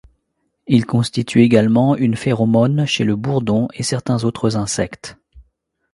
Il constitue également une phéromone chez le bourdon et certains autres insectes.